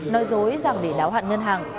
nói dối rằng để đáo hạn ngân hàng